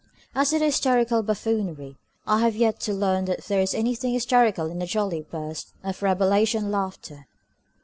As to the "hysterical buffoonery," I have yet to learn that there is anything hysterical in a jolly burst of Rabelaisian laughter.